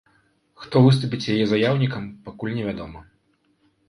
Хто выступіць яе заяўнікам, пакуль невядома.